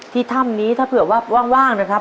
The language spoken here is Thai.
ถ้ำนี้ถ้าเผื่อว่าว่างนะครับ